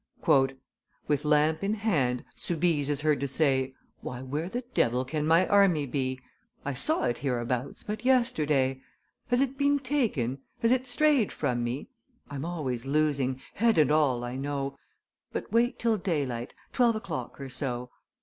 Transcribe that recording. "With lamp in hand, Soubise is heard to say 'Why, where the devil can my army be? I saw it hereabouts but yesterday: Has it been taken? has it strayed from me? I'm always losing head and all, I know: But wait till daylight, twelve o'clock or so!